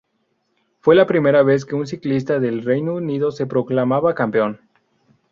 Fue la primera vez que un ciclista del Reino Unido se proclamaba campeón.